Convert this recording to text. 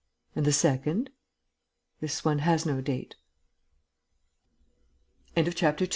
"And the second?" "This one has no date."